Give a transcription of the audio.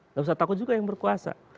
nggak usah takut juga yang berkuasa